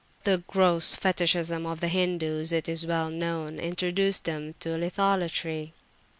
The gross fetichism of the Hindus, it is well known, introduced them to litholatry.